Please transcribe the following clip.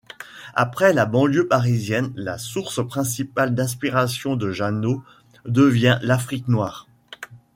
Après la banlieue parisienne, la source principale d'inspiration de Jano devient l'Afrique noire.